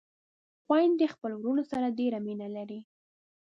خويندې خپلو وروڼو سره ډېره مينه لري